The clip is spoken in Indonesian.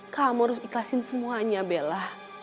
kamu harus ikhlasin semuanya bella